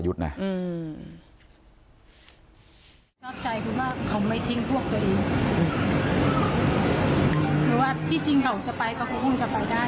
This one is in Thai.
ชอบใจคือว่าเขาไม่ทิ้งพวกตัวเองหรือว่าที่จริงเขาจะไปก็คงจะไปได้